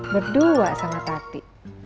berdua sama tati